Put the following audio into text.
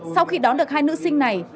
sau khi đón được hai nữ sinh này